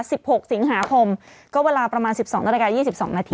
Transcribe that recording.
หกสิงหาคมก็เวลาประมาณสิบสองนาฬิกายี่สิบสองนาที